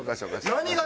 何が？